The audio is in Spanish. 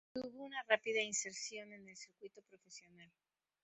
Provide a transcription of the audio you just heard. Tuvo una rápida inserción en el circuito profesional.